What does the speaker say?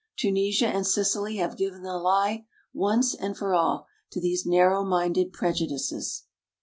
Tunisia and Sicily have given the lie, once and for all, to these narrow minded prejudices.